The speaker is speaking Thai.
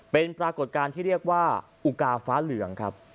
เป็นปรากฏการณ์ที่เรียกว่าอุกาฟ้าเหลืองครับ